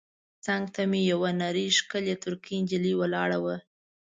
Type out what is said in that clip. څنګ ته مې یوه نرۍ ښکلې ترکۍ نجلۍ ولاړه وه.